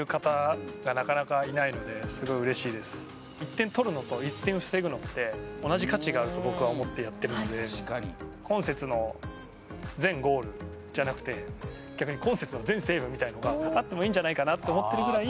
１点取るのと１点防ぐのって同じ価値があると僕は思って、やっているので今節の全ゴールじゃなくて逆に今節の全セーブみたいなのがあってもいいんじゃないかなと思ってるくらい